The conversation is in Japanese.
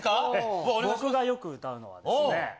ええ、僕がよく歌うのはですね。